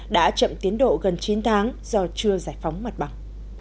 đã chậm tiến độ gần chín tháng do chưa giải phóng mặt bằng